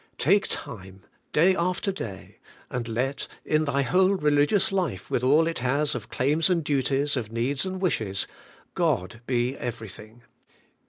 Take time, day after day, and let, in thy whole religious life, with all it has of claims and duties, of needs and wishes, God be everything.